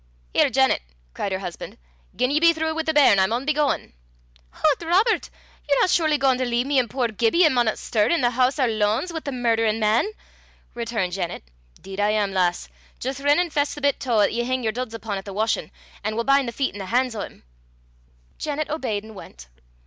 "Here, Janet!" cried her husband; "gien ye be throu' wi' the bairn, I maun be gauin'." "Hoots, Robert! ye're no surely gauin' to lea' me an' puir Gibbie, 'at maunna stir, i' the hoose oor lanes wi' the murderin' man!" returned Janet. "'Deed am I, lass! Jist rin and fess the bit tow 'at ye hing yer duds upo' at the washin', an' we'll bin' the feet an' the han's o' 'im." Janet obeyed and went.